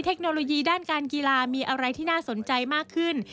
เทคโนโลยีด้านการกีฬามีอะไรที่น่าสนใจมากขึ้น